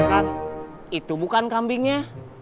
kang itu bukan kambingnya